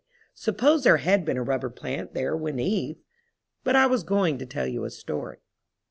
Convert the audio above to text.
suppose there had been a rubber plant there when Eve—but I was going to tell you a story.